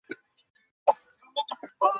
সেজন্যই জিজ্ঞাসা করছি।